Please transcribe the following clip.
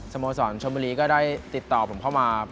โมสรชนบุรีก็ได้ติดต่อผมเข้ามา